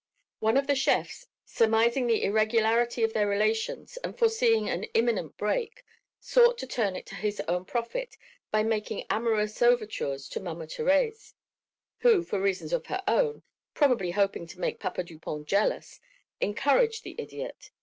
One of the chefs, surmising the irregularity of their relations and foreseeing an imminent break, sought to turn it to his own profit by making amorous overtures to Mama Thérèse, who for reasons of her own, probably hoping to make Papa Dupont jealous, encouraged the idiot.